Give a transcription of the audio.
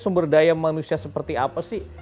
sumber daya manusia seperti apa sih